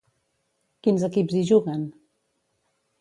Quins equips hi juguen?